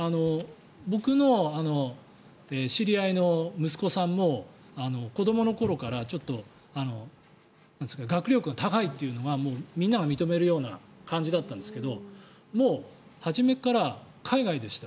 僕の知り合いの息子さんも子どもの頃からちょっと学力が高いというのがもうみんなが認めるような感じだったんですがもう、初めから海外でした。